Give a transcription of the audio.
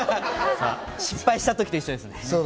失敗したときと一緒ですね。